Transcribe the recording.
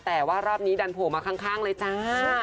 แต่ว่ารอบนี้ดันโผล่มาข้างเลยจ้า